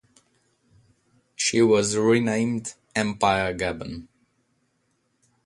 She was renamed "Empire Gabon".